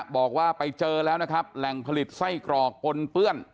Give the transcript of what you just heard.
บอกว่าไปเจอแล้วนะครับแหล่งผลิตไส้กรอกปนเปื้อน